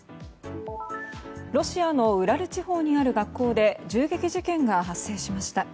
ロシアのウラル地方にある学校で銃撃事件が発生しました。